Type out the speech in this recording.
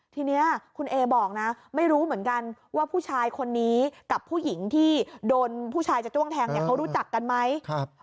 ทีนี้คุณเอบอกนะไม่รู้เหมือนกันว่าผู้ชายคนนี้กับผู้หญิงที่โดนผู้ชายจะจ้วงแทงเนี่ยเขารู้จักกันไหม